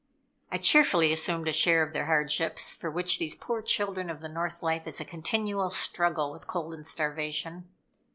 I cheerfully assumed a share of their hardships, for with these poor children of the North life is a continual struggle with cold and starvation.